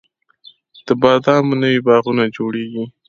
د بادامو نوي باغونه جوړیږي